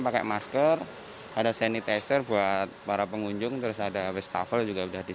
pakai masker ada sanitizer buat para pengunjung terus ada restafel juga udah disiapkan bagi